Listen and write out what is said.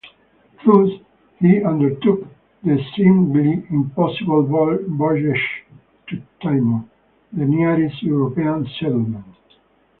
Thus, he undertook the seemingly impossible voyage to Timor, the nearest European settlement.